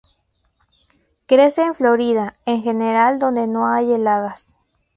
Crece en Florida, en general, donde no hay heladas.